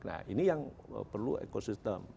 nah ini yang perlu ekosistem